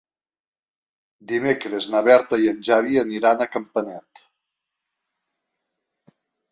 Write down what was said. Dimecres na Berta i en Xavi aniran a Campanet.